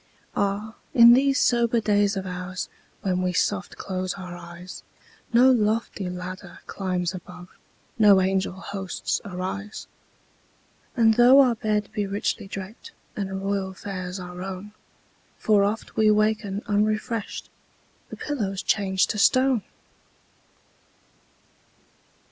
Ah, in these sober days of oursWhen we soft close our eyes, No lofty ladder climbs above, No angel hosts arise. And tho our bed be richly drapedAnd royal fares our own, For oft we waken unrefreshed—The pillow's changed to stone!